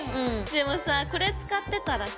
でもさこれ使ってたらさ。